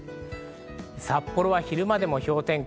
札幌は昼間でも氷点下。